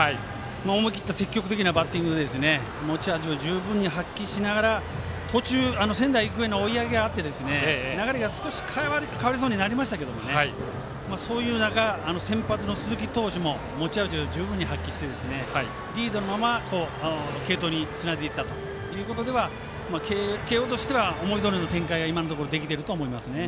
思い切ったバッティングで持ち味を十分に発揮しながら途中仙台育英の追い上げがあって流れが変わりそうになりましたがそういう中、先発の鈴木投手も持ち味を十分に発揮して、リードのまま継投につないでいったということでは慶応としては思いどおりの展開ができていると思います。